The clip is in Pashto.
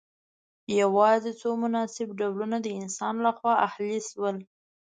یوازې څو مناسب ډولونه د انسان لخوا اهلي شول.